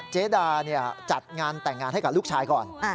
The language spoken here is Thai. เจดาจัดงานแต่งงานให้กับลูกชายก่อน